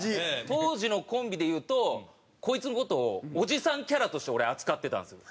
当時のコンビでいうとこいつの事をおじさんキャラとして俺扱ってたんですよ。